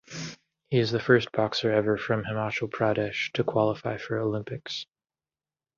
He is the first boxer ever from Himachal Pradesh to qualify for Olympics.